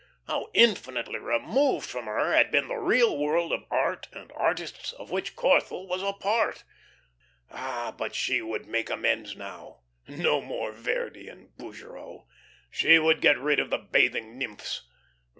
How infinitely removed from her had been the real world of art and artists of which Corthell was a part! Ah, but she would make amends now. No more Verdi and Bougereau. She would get rid of the "Bathing Nymphs."